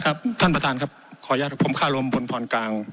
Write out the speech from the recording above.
ท่านประธานครับขออนุญาตผมคารมพลพรกลาง